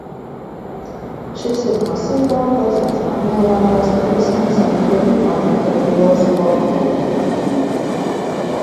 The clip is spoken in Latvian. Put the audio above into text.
Šis ir masīvākais un smagnējākais no visiem sengrieķu arhitektūras orderiem.